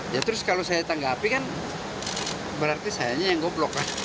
ya terus kalau saya tanggapi kan berarti sayanya yang goblok kan